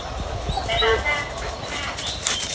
你把聲好好聽